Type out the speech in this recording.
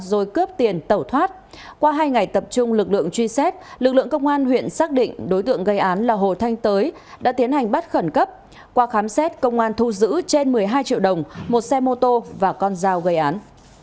rồi cướp tiền tẩu thoát qua hai ngày tập trung lực lượng truy xét lực lượng công an huyện xác định đối tượng gây án là hồ thanh tới đã tiến hành bắt khẩn cấp qua khám xét công an thu giữ trên một mươi hai triệu đồng một xe mô tô và con dao gây án